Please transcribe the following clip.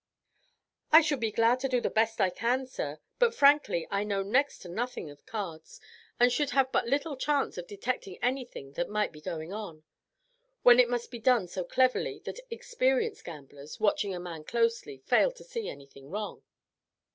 "I shall be glad to do the best I can, sir; but frankly I know next to nothing of cards, and should have but little chance of detecting anything that might be going on, when it must be done so cleverly that experienced gamblers, watching a man closely, fail to see anything wrong."